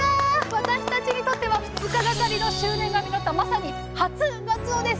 私たちにとっては２日がかりの執念が実ったまさに「初」がつおです！